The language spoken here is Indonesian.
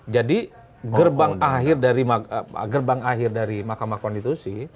jadi gerbang akhir dari mahkamah konstitusi